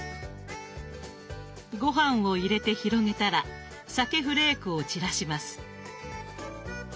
ごはんを入れて広げたら鮭フレークを散らします。